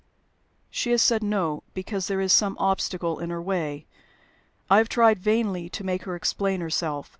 "She has said No, because there is some obstacle in her way. I have tried vainly to make her explain herself.